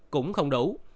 cũng không đủ